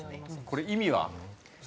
これ意味は？